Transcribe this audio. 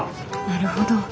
なるほど。